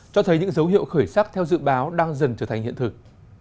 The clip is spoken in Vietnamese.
cho thấy những dấu hiệu khởi sắc theo dự báo đang dần trở thành hiện thực